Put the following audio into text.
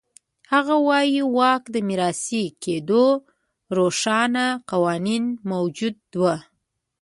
هغه وایي واک د میراثي کېدو روښانه قوانین موجود و.